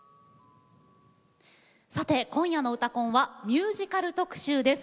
今夜の「うたコン」はミュージカル特集です。